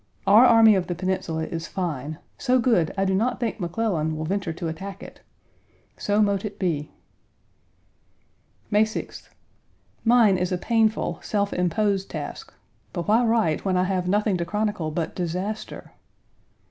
"Our Army of the Peninsula is fine; so good I do not think McClellan will venture to attack it." So mote it be. May 6th. Mine is a painful, self imposed task: but why write when I have nothing to chronicle but disaster?